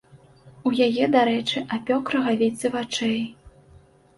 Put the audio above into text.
У яе, дарэчы, апёк рагавіцы вачэй.